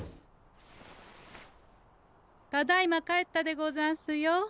ただいま帰ったでござんすよ。